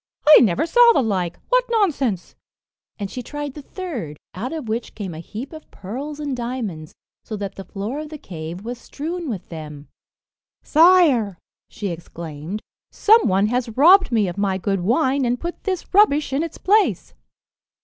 "I never saw the like what nonsense!" and she tried the third, out of which came a heap of pearls and diamonds, so that the floor of the cave was strewn with them. "Sire," she exclaimed, "some one has robbed me of my good wine, and put this rubbish in its place."